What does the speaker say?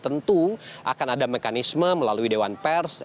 tentu akan ada mekanisme melalui dewan pers